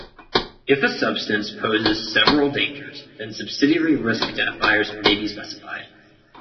If a substance poses several dangers, then subsidiary risk identifiers may be specified.